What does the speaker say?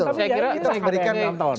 tapi jadi kita harus memberikan nonton